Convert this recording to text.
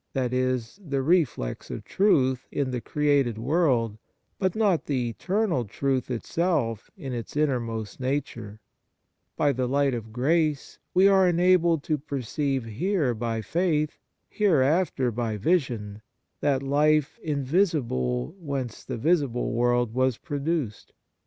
59. 88 EFFECT AND FRUITS OF DIVINE GRACE is, the reflex of truth, in the created world, but not the eternal truth itself in its inner most nature. By the light of grace we are* enabled to perceive here by faith, hereafter by vision, that life invisible whence the visible world was produced.